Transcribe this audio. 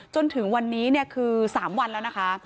จนถึงวันนี้คือ๓วันแล้วนะคะ